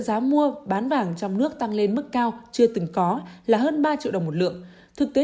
giá mua bán vàng trong nước tăng lên mức cao chưa từng có là hơn ba triệu đồng một lượng thực tế